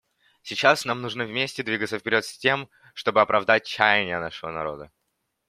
Сейчас нам нужно вместе двигаться вперед, с тем чтобы оправдать чаяния нашего народа.